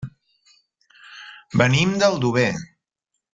Venim d'Aldover.